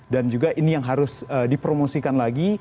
dan juga ini yang harus dipromosikan lagi